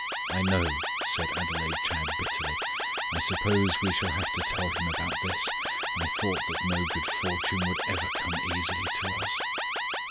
"I know," said Adelaide Chadd bitterly. "I suppose we shall have to tell him about this. I thought that no good fortune would ever come easily to us."